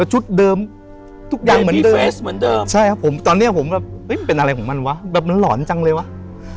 และชุดเดิมทุกอย่างเหมือนเดิมตอนนี้ผมแบบมันเป็นอะไรของมันวะแบบมันหล่อนจังเลยวะ